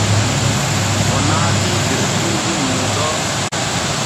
O naatii der suudu nuu ɗo.